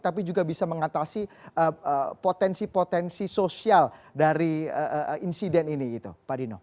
tapi juga bisa mengatasi potensi potensi sosial dari insiden ini gitu pak dino